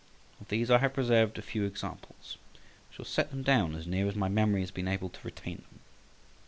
Of these I have preserved a few examples, and shall set them down as near as my memory has been able to retain them.